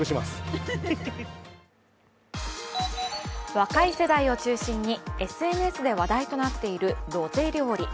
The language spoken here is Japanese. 若い世代を中心にＳＮＳで話題となっているロゼ料理。